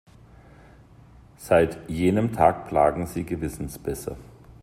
Seit jenem Tag plagen sie Gewissensbisse.